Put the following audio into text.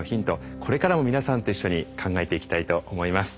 これからも皆さんと一緒に考えていきたいと思います。